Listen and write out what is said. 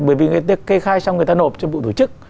bởi vì cây khai xong người ta nộp cho bộ tổ chức